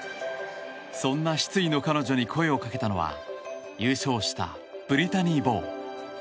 そんな失意の彼女に声をかけたのは優勝したブリタニー・ボウ。